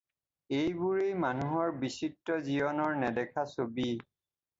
এইবোৰেই মানুহৰ বিচিত্ৰ জীৱনৰ নেদেখা ছবি।